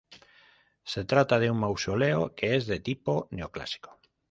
Se trata de un mausoleo que es de tipo neoclásico.